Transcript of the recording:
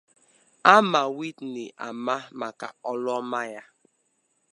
A ma Whitney ama maka olu ọma ya